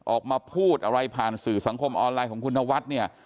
ออกมาพูดอะไรผ่านสื่อสังคมออนไลน์ของคุณนวัดเนี่ย